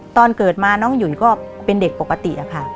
ตอนเกิดมาน้องหยุ่นก็เป็นเด็กปกติอะค่ะ